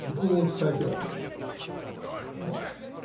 絵は？